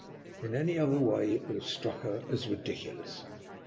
In any other way it would have struck her as ridiculous.